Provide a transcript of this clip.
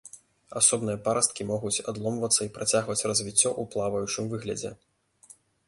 Асобныя парасткі могуць адломвацца і працягваць развіццё ў плаваючым выглядзе.